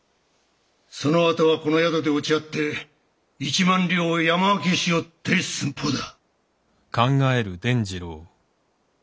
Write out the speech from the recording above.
そのあとはこの宿で落ち合って１万両を山分けしようって寸法だ。